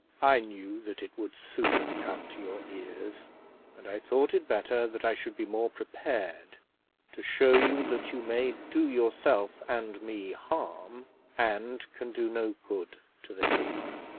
I knew that it would soon come to your ears, and I thought it better that I should be more prepared to show you that you may do yourself and me harm, and can do no good to the king.